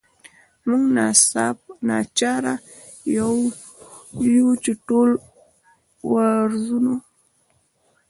موږ ناچاره یو چې ټول وارزوو.